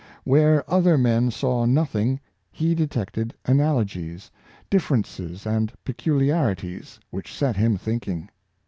Where other men saw nothing, he detected analogies, differ ences and peculiarities, which set him thinking.